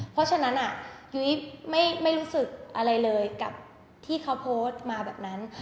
เพราะฉะนั้นยุ้ยไม่รู้สึกอะไรเลยกับที่เขาโพสต์มาแบบนั้น